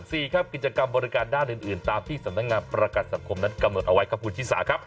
สี่ครับกิจกรรมบริการด้านอื่นอื่นตามที่สำนักงานประกันสังคมนั้นกำหนดเอาไว้ครับคุณชิสาครับ